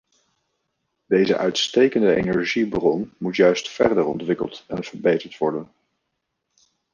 Deze uitstekende energiebron moet juist verder ontwikkeld en verbeterd worden.